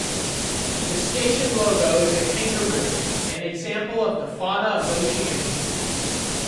The station logo is a kangaroo - an example of the fauna of Oceania.